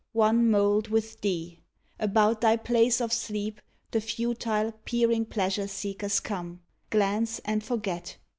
One mould with thee I About thy place of sleep The futile, peering pleasure seekers come. Glance, and forget.